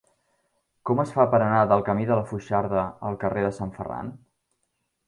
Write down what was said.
Com es fa per anar del camí de la Foixarda al carrer de Sant Ferran?